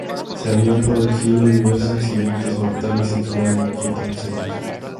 Se habían producido diversos accidentes mortales en Sudán en los últimos años.